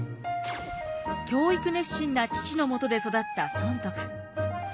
教育熱心な父のもとで育った尊徳。